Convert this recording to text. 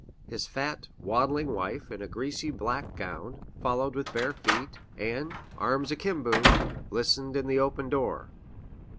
His fat, waddling wife, in a greasy black gown, followed with bare feet, and, arms akimbo, listened in the open door.